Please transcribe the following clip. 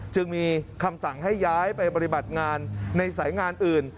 จึงมีคำสั่งให้ย้ายไปปฏิบัติงานในสายงานอื่น